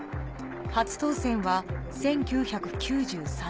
初当選は１９９３年。